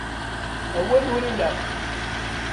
Awal ur ilaq.